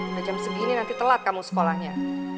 udah jam segini nanti telat kamu sekolahnya